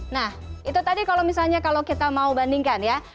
nah itu tadi kalau misalnya kalau kita mau bandingkan ya